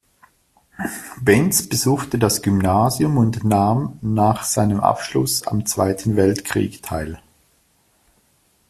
Benz besuchte das Gymnasium und nahm nach seinem Abschluss am Zweiten Weltkrieg teil.